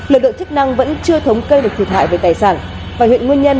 lực lượng chức năng vẫn chưa thống cây được thiệt hại về tài sản và huyện nguyên nhân